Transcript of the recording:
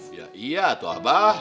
iya atau apa